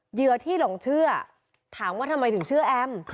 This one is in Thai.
เหยื่อที่หลงเชื่อถามว่าทำไมถึงเชื่อแอม